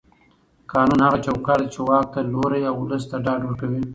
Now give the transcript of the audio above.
قانون هغه چوکاټ دی چې واک ته لوری او ولس ته ډاډ ورکوي